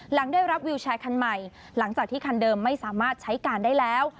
หลังได้รับวิวแชร์คันใหม่หลังจากที่คันเดิมไม่สามารถใช้การได้แล้ว